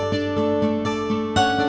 buat amin mana